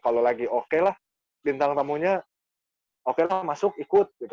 kalau lagi oke lah bintang tamunya oke lah masuk ikut gitu